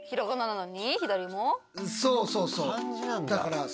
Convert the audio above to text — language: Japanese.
そうそうそう。